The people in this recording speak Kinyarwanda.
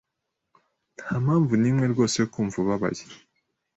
Ntampamvu nimwe rwose yo kumva ubabaye.